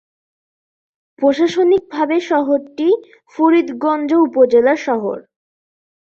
প্রশাসনিকভাবে শহরটি ফরিদগঞ্জ উপজেলার শহর।